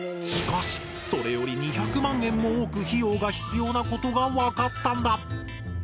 しかしそれより２００万円も多く費用が必要なことが分かったんだ。